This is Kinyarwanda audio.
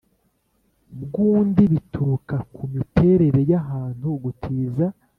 bw undi bituruka ku miterere y ahantu gutiza